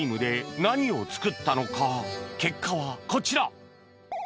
結果はこちら！